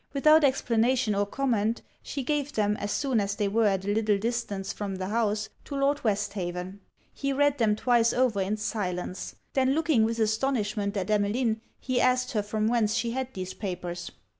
Without explanation or comment, she gave them, as soon as they were at a little distance from the house, to Lord Westhaven. He read them twice over in silence; then looking with astonishment at Emmeline, he asked her from whence she had these papers?